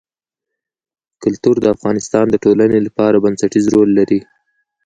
کلتور د افغانستان د ټولنې لپاره بنسټيز رول لري.